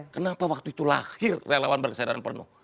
kenapa waktu itu lahir relawan berkesadaran penuh